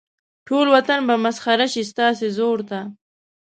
ټول وطن به مسخر شي ستاسې زور ته.